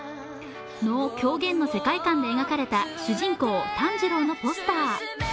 能狂言の世界観で描かれた主人公、炭治郎のポスター。